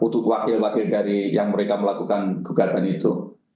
untuk wakil wakil dari yang mereka melakukan gugatan itu